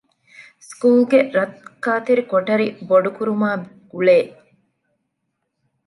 ސްކޫލުގެ ރައްކާތެރި ކޮޓަރި ބޮޑުކުރުމާއި ގުޅޭ